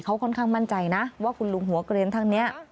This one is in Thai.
เขาค่อนข้างมั่นใจนะว่าคุณลุงหัวเกรนท่านนี้